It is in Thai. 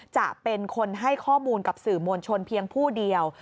จะเป็นคนให้ข้อมูลกับสื่อมวลชนเพียงผู้เดียว